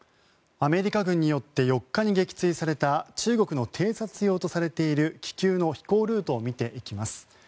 アメリカ軍によって４日に撃墜された中国の偵察用とされている気球の飛行ルートを見ていきます。